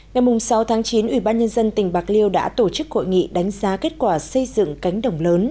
ngày sáu chín ủy ban nhân dân tỉnh bạc liêu đã tổ chức hội nghị đánh giá kết quả xây dựng cánh đồng lớn